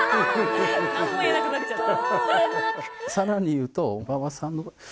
何も言えなくなっちゃった。